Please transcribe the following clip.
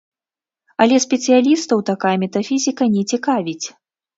Але спецыялістаў такая метафізіка не цікавіць.